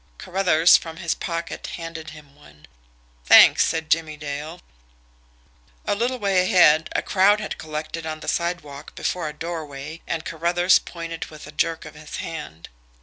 Carruthers, from his pocket, handed him one. "Thanks," said Jimmie Dale. A little way ahead, a crowd had collected on the sidewalk before a doorway, and Carruthers pointed with a jerk of his hand.